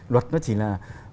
luật nó chỉ là